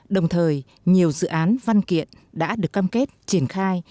đồng thời nhiều dự án văn kiện đã được cam kết triển khai